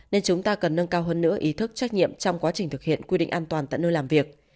nên chúng ta cần nâng cao hơn nữa ý thức trách nhiệm trong quá trình thực hiện quy định an toàn tại nơi làm việc